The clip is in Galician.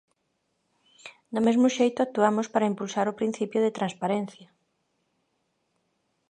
Do mesmo xeito, actuamos para impulsar o principio de transparencia.